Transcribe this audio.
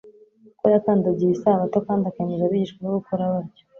ko yakandagiye isabato kandi akemeza abigishwa be gukora batyo.